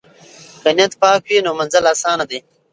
که نیت پاک وي نو منزل آسانه دی.